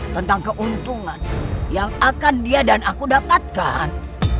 tentang keuntungan yang akan dia dan aku dapatkan